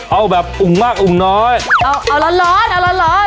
เอาแบบอุ่งมากอุ่มน้อยเอาเอาร้อนร้อนเอาร้อนร้อน